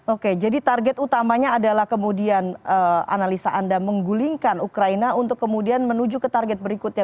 oke jadi target utamanya adalah kemudian analisa anda menggulingkan ukraina untuk kemudian menuju ke target berikutnya